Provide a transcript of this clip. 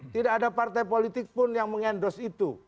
tidak ada partai politik pun yang mengendos itu